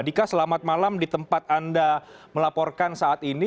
dika selamat malam di tempat anda melaporkan saat ini